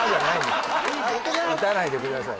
撃たないでください